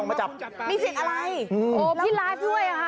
พี่ไลฟ์ด้วยค่ะ